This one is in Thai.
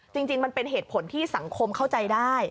จริงมันเป็นเหตุผลที่สังคมเข้าใจได้